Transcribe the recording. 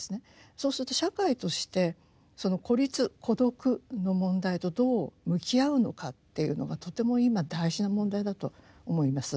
そうすると社会としてその孤立・孤独の問題とどう向き合うのかっていうのがとても今大事な問題だと思います。